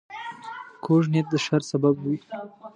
کوږ نیت د شر سبب وي